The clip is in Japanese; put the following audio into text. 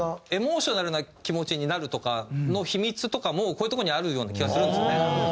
エモーショナルな気持ちになるとかの秘密とかもこういうとこにあるような気はするんですよね。